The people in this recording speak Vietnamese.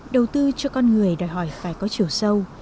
đầu tư cho con người đòi hỏi phải có chiều sâu